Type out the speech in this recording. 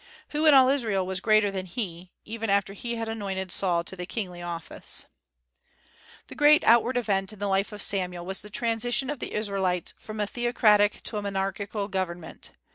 Who in all Israel was greater than he, even after he had anointed Saul to the kingly office? The great outward event in the life of Samuel was the transition of the Israelites from a theocratic to a monarchical government.